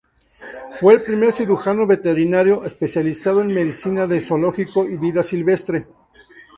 Fue el primer cirujano veterinario especializado en medicina de zoológico y vida silvestre.